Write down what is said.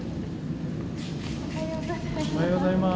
おはようございます。